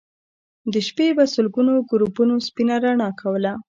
د شپې به سلګونو ګروپونو سپينه رڼا کوله